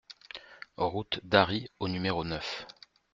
Route d'Arry au numéro neuf